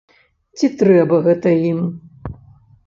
Ці трэба гэта ім?